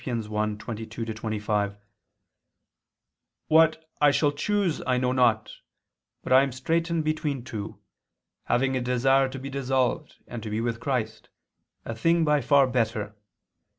1:22 25, "What I shall choose I know not, but I am straitened between two, having a desire to be dissolved, and to be with Christ, a thing by far better.